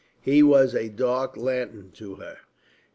He was a dark lantern to her.